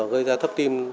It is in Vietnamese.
gây ra thấp tim